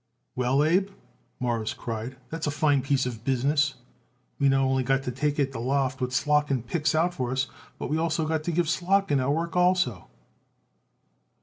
"Well, Abe," Morris cried, "that's a fine piece of business. We not only got to take it the loft what Slotkin picks out for us, but we also got to give Slotkin our work also."